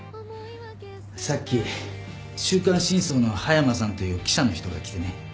さっき『週刊真相』の葉山さんという記者の人が来てね。